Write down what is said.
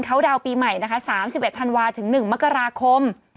คราวดาวน์ปีใหม่นะคะสามสิบเอ็ดธันวาส์ถึงหนึ่งมกราคม